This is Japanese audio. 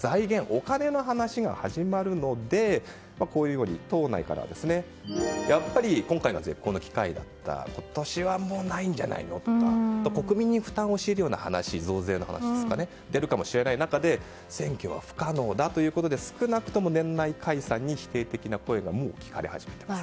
お金の話が始まるので党内からはやっぱり今回が絶好の機会だった今年はもうないんじゃないのとか国民に負担を強いるような増税の話が出るかもしれない中で選挙は不可能だということで少なくとも年内解散に否定的な声がもう聞かれ始めています。